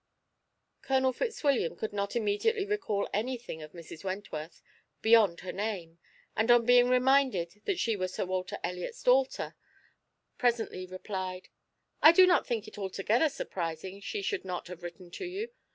Colonel Fitzwilliam could not immediately recall anything of Mrs. Wentworth beyond her name, and on being reminded that she was Sir Walter Elliot's daughter, presently replied: "I do not think it altogether surprising she should not have written to you.